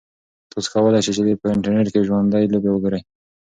تاسو کولای شئ چې په انټرنیټ کې ژوندۍ لوبې وګورئ.